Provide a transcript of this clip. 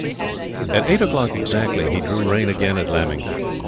At eight o'clock exactly he drew rein again at Lamington.